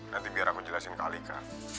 nanti biar aku jelasin ke alika